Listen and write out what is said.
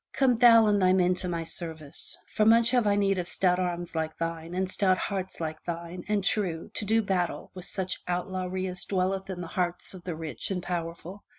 Come thou and thy men to my service, for much have I need of stout arms like thine, and stout hearts like thine and true, to do battle with such out lawry as dwelleth in the hearts of the rich and powerful.